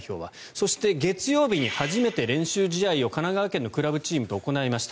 そして、月曜日に初めて練習試合を神奈川県のクラブチームと行いました。